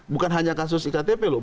bukan hanya kasus iktp loh